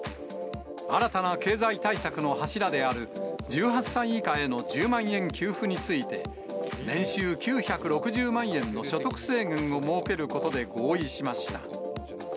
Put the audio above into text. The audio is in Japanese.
新たな経済対策の柱である１８歳以下への１０万円給付について、年収９６０万円の所得制限を設けることで合意しました。